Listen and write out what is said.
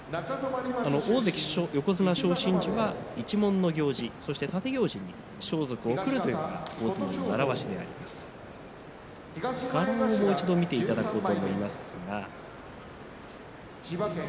大関、横綱昇進時は一門の行司そして立行司に装束がくるというのが習わしなんだそうです。